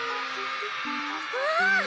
わあ！